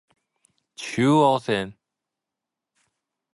中央線